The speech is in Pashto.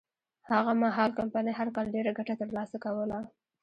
هغه مهال کمپنۍ هر کال ډېره ګټه ترلاسه کوله.